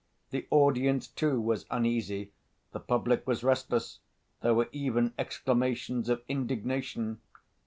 The audience, too, was uneasy. The public was restless: there were even exclamations of indignation.